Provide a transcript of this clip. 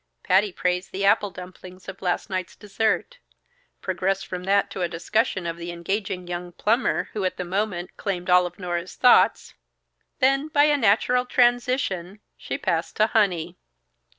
Patty praised the apple dumplings of last night's dessert; progressed from that to a discussion of the engaging young plumber who at the moment claimed all of Nora's thoughts; then, by a natural transition, she passed to honey.